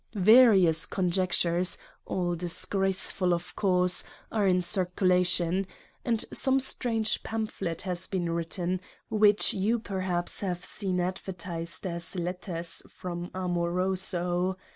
Various Con jectures—all disgraceful, of course, are in circulation ; and some strange Pamphlet has been written — which you perhaps have seen advertised as Letters from Amoroso.